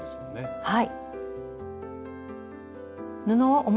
はい。